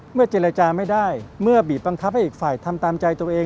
เจรจาไม่ได้เมื่อบีบบังคับให้อีกฝ่ายทำตามใจตัวเอง